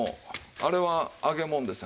あれは揚げもんですね。